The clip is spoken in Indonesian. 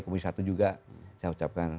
komisi satu juga saya ucapkan